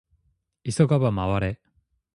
急がば回れ